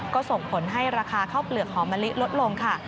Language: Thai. ก็ส่งผลให้ราคาข้าวเปลือกหอมมะลิลดลงค่ะ